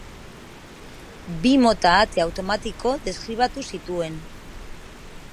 Bi mota ate automatiko deskribatu zituen.